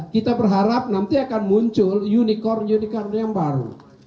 kita berharap nanti akan muncul unicorn unicorn yang baru